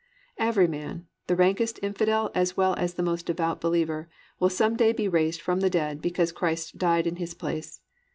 Every man, the rankest infidel as well as the most devout believer, will some day be raised from the dead because Christ died in his place.